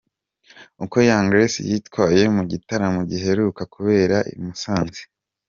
Uko Young Grace yitwaye mu gitaramo giheruka kubera i Musanze.